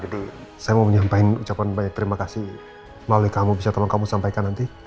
jadi saya mau menyampaikan ucapan banyak terima kasih melalui kamu bisa tolong kamu sampaikan nanti